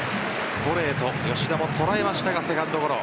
ストレート、吉田も捉えましたがセカンドゴロ。